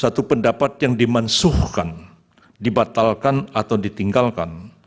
satu pendapat yang dimansuhkan dibatalkan atau ditinggalkan